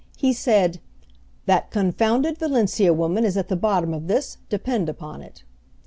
He said, 'That confounded Valencia woman is at the bottom of this, depend upon it.'